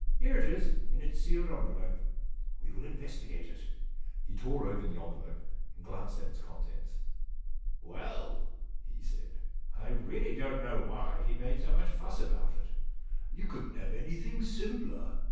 Here it is in its sealed en velope. We will investigate it.' He tore open the envelope and glanced at the contents. * Well,' he said, * I really don't know why 217 The Problem Club he made so much fuss about it. You couldn*t have anything simpler.